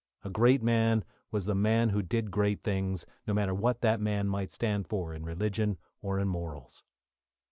A great man was the man who did great things, no matter what that man might stand for in religion or in morals.